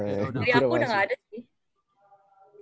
jadi aku udah gak ada sih